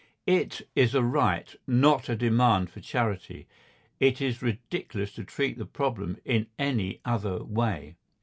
It is a right; not a demand for charity. It is ridiculous to treat the problem in any other way.